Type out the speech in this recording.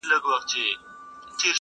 ډېر هوښیار وو ډېري ښې لوبي یې کړلې؛